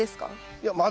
いやまだ。